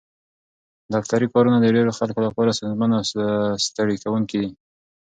دفتري کارونه د ډېرو خلکو لپاره ستونزمن او ستړي کوونکي دي.